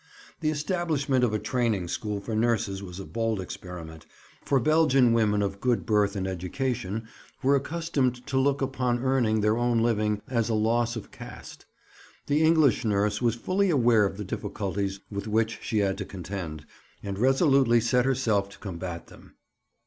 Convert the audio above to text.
The establishment of a training school for nurses was a bold experiment, for Belgian women of good birth and education were accustomed to look upon earning their own living as a loss of caste. The English nurse was fully aware of the difficulties with which she had to contend, and resolutely set herself to combat them.